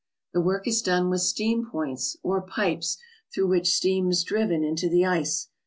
The work is done with steam points or pipes through which steam is driven into the ice.